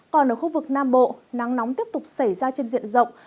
còn ở khu vực nam bộ nắng nóng tiếp tục xảy ra trên diện rộng